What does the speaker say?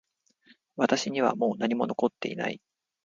私にはもう何も残っていない